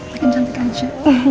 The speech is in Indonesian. makin cantik aja